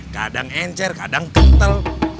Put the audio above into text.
kadang encer kadang ketel